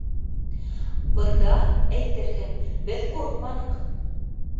Бында, әйтерһең, беҙ ҡурҡманыҡ.